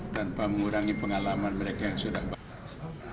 tanpa mengurangi pengalaman mereka yang sudah berada di sini